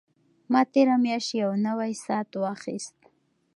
ما تېره میاشت یو نوی ساعت واخیست.